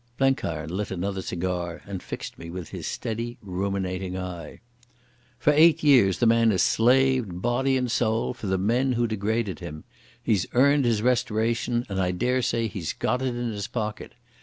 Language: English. Blenkiron lit another cigar and fixed me with his steady, ruminating eye. "For eight years the man has slaved, body and soul, for the men who degraded him. He's earned his restoration and I daresay he's got it in his pocket.